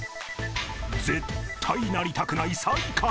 ［絶対なりたくない最下位］